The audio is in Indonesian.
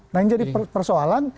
nah ini jadi persoalan